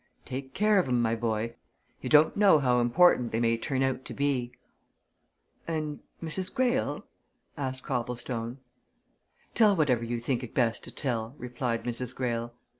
"Take care of 'em, my boy! ye don't know how important they may turn out to be." "And Mrs. Greyle?" asked Copplestone. "Tell whatever you think it best to tell," replied Mrs. Greyle.